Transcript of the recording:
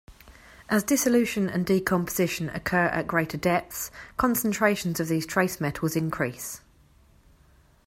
As dissolution and decomposition occur at greater depths, concentrations of these trace metals increase.